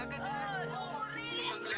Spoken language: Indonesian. ke tempat nangis